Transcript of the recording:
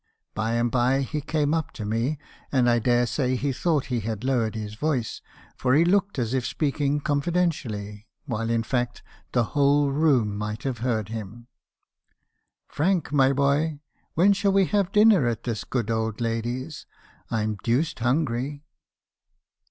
By and bye he came up to me, and I dare say he thought he had lowered his voice , for he looked as if speaking confidentially, while in fact the whole room might have heard him. <u Frank, my boy, when shall we have dinner at this good old lady's? I 'm deuced hungry.'